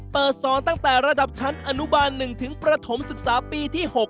เปิดสอนตั้งแต่ระดับชั้นอนุบาล๑ถึงประถมศึกษาปีที่๖